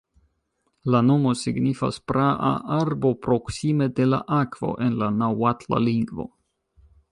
La nomo signifas "praa arbo proksime de la akvo" en la naŭatla lingvo.